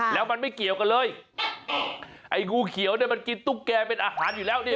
แล้วมันไม่เกี่ยวกันเลยไอ้งูเขียวเนี่ยมันกินตุ๊กแกเป็นอาหารอยู่แล้วนี่